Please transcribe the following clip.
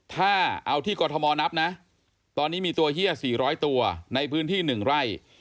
ถ้าเอาที่กรทมนับนะตอนนี้มีตัวเฮีย๔๐๐ตัวในพื้นที่๑ไร่